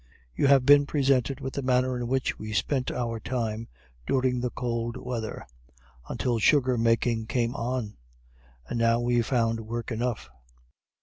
You have been presented with the manner in which we spent our time during the cold weather, until sugar making came on; and now we found work enough.